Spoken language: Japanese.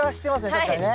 確かにね。